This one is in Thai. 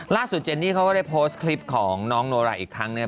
เจนนี่เขาก็ได้โพสต์คลิปของน้องโนราอีกครั้งเนี่ย